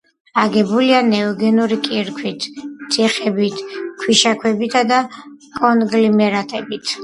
აგებულია ნეოგენური კირქვებით, თიხებით, ქვიშაქვებითა და კონგლომერატებით.